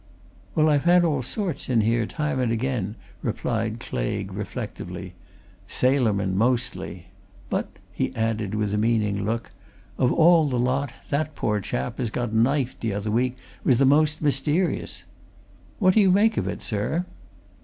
"Well, I've had all sorts in here, time and again," replied Claigue reflectively. "Sailor men, mostly. But," he added, with a meaning look, "of all the lot, that poor chap as got knifed the other week was the most mysterious! What do you make of it, sir?"